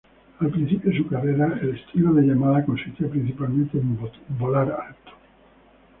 Al principio de su carrera, el estilo de Yamada consistía principalmente en volar alto.